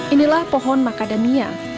inilah pohon macadamia